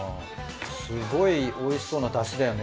すごいおいしそうなダシだよね